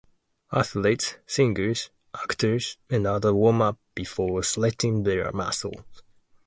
Athletes, singers, actors and others warm up before stressing their muscles.